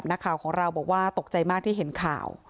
มันก็น่ากลัวพูดถึงก็กลัว